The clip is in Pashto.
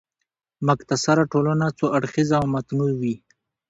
متکثره ټولنه څو اړخیزه او متنوع وي.